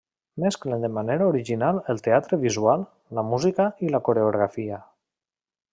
Mesclen de manera original el teatre visual, la música i la coreografia.